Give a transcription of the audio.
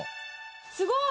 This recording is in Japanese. すごい！